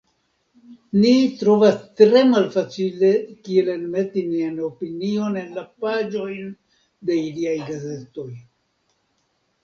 Ni trovas tre malfacile kiel enmeti nian opinion en la paĝojn de iliaj gazetoj"".